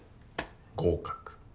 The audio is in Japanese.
合格。